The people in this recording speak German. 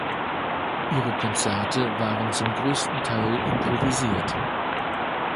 Ihre Konzerte waren zum größten Teil improvisiert.